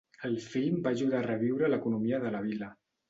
El film va ajudar a reviure l'economia de la vila.